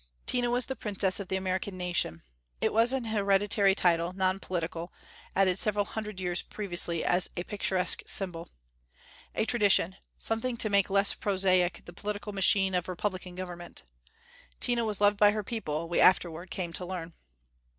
Tina was the Princess of the American Nation. It was an hereditary title, non political, added several hundred years previously as a picturesque symbol. A tradition; something to make less prosaic the political machine of Republican government. Tina was loved by her people, we afterward came to learn.